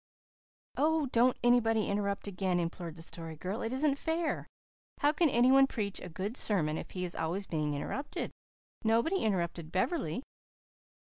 "Oh, don't anybody interrupt again," implored the Story Girl. "It isn't fair. How can any one preach a good sermon if he is always being interrupted? Nobody interrupted Beverley."